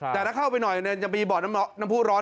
แต่ถ้าเข้าไปหน่อยจะมีบ่อน้ำผู้ร้อน